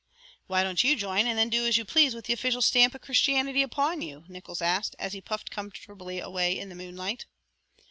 "Why don't you join and then do as you please with the official stamp of Christianity upon you?" Nickols asked, as he puffed comfortably away in the moonlight.